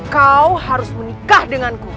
kau harus menikah denganku